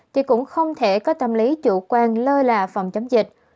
thì cũng không thể có tâm lý chủ quan lơ là phòng chống dịch